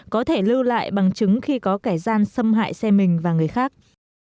có thể lưu lại bằng chứng khi có kẻ gian xâm hại xe mình và người khác